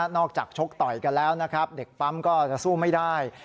จากชกต่อยกันแล้วนะครับเด็กปั๊มก็จะสู้ไม่ได้